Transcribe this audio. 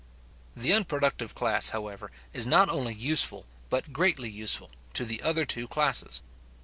The unproductive class, however, is not only useful, but greatly useful, to the other two classes.